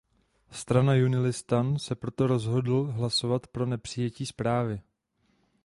Strana Junilistan se proto rozhodl hlasovat pro nepřijetí zprávy.